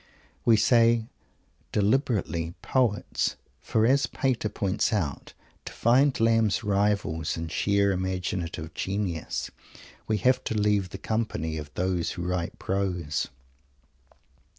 We say deliberately "poets," for, as Pater points out, to find Lamb's rivals in sheer imaginative genius, we have to leave the company of those who write prose.